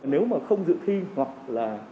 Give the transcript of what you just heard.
nếu mà không dự thi hoặc là